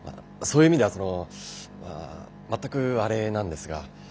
そういう意味ではその全くあれなんですが。